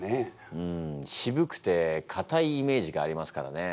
うんしぶくてかたいイメージがありますからね。